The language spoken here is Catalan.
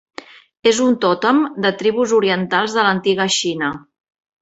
És un tòtem de tribus orientals de l'antiga Xina.